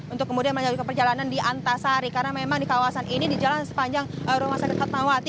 untuk kemudian melanjutkan perjalanan di antasari karena memang di kawasan ini di jalan sepanjang rumah sakit fatmawati